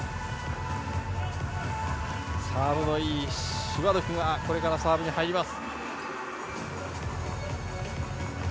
サーブのいいシュワルクがこれからサーブに入ります。